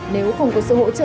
nếu không có sự hỗ trợ